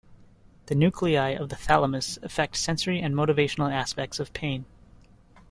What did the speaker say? The nuclei of the thalamus affect sensory and motivational aspects of pain.